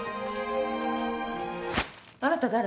あなた誰？